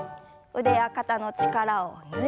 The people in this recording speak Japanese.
腕や肩の力を抜いて。